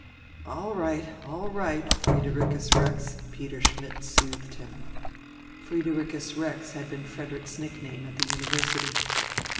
"All right, all right, Friedericus Rex," Peter Schmidt soothed him. Friedericus Rex had been Frederick's nickname at the university.